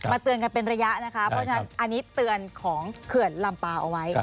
เตือนกันเป็นระยะนะคะเพราะฉะนั้นอันนี้เตือนของเขื่อนลำเปล่าเอาไว้